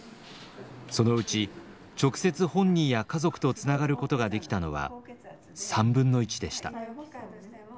そのうち直接本人や家族とつながることができたのは３分の１でした。